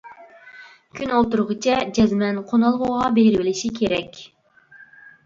كۈن ئولتۇرغۇچە جەزمەن قونالغۇغا بېرىۋېلىشى كېرەك.